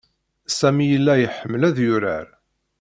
Sami yella iḥemmel ad yurar.